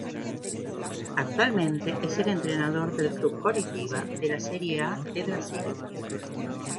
Actualmente es el entrenador del club Coritiba de la Serie A de Brasil.